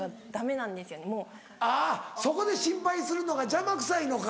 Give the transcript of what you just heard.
あぁそこで心配するのが邪魔くさいのか。